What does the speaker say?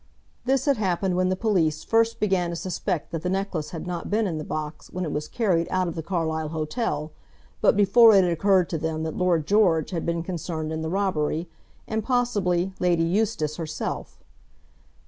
This had happened when the police first began to suspect that the necklace had not been in the box when it was carried out of the Carlisle hotel, but before it had occurred to them that Lord George had been concerned in the robbery, and possibly Lady Eustace herself.